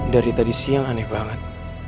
dari tadi siang aneh banget